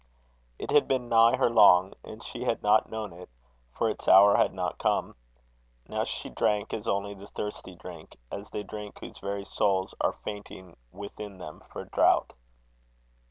It had been nigh her long, and she had not known it, for its hour had not come. Now she drank as only the thirsty drink, as they drink whose very souls are fainting within them for drought.